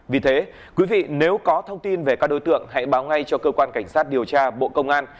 vì thế quý vị nếu có thông tin về các đối tượng hãy báo ngay cho cơ quan cảnh sát điều tra bộ công an